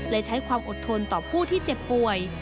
และใช้ความอดทนต่อผู้ที่เจ็บป่วย